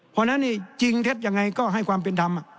เพราะฉะนั้นนี่จริงเท็จยังไงก็ให้ความเป็นธรรม